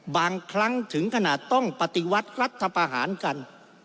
บางครั้งถึงขนาดต้องปฏิวัติรัฐประหารกัน